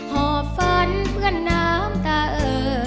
หอบฝันเพื่อนน้ำตาเออ